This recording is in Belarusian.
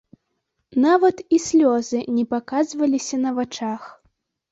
Нават і слёзы не паказваліся на вачах.